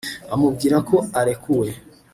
amubwira ko arekuwe